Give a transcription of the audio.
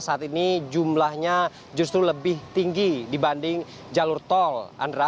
saat ini jumlahnya justru lebih tinggi dibanding jalur tol